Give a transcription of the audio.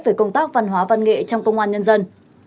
về công tác văn hóa văn nghệ trong công an nhân dân